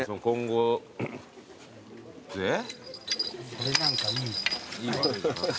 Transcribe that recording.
これなんかいい。